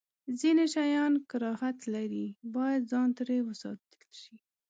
ځینې شیان کراهت لري، باید ځان ترې وساتل شی.